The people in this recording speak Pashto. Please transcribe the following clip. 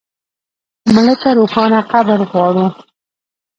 مړه ته روښانه قبر غواړو